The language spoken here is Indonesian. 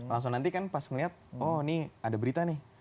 langsung nanti kan pas ngeliat oh ini ada berita nih